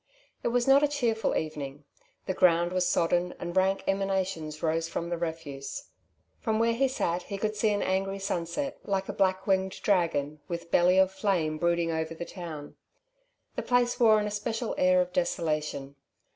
It was not a cheerful evening. The ground was sodden, and rank emanations rose from the refuse. From where he sat he could see an angry sunset like a black winged dragon with belly of flame brooding over the town. The place wore an especial air of desolation.